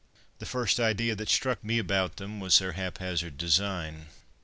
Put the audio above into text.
The first idea that struck me about them was their haphazard design.